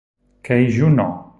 Kaiju No.